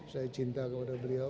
saya cinta kepada beliau